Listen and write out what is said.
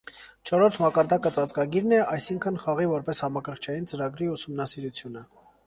Չորրորդ մակարդակը ծածկագիրն է, այսինքն՝ խաղի՝ որպես համակարգչային ծրագրի ուսումնասիրությունը։